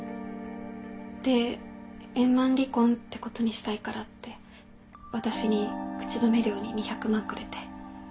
で円満離婚ってことにしたいからって私に口止め料に２００万くれて。